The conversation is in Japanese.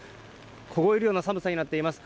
凍えるような寒さになっています。